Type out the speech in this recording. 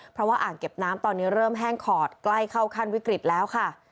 เพราะว่าอ่างเก็บน้ำตอนนี้เริ่มแห้งขอดใกล้เข้าขั้นวิกฤตแล้วค่ะ